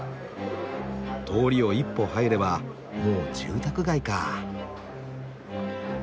通りを一歩入ればもう住宅街か。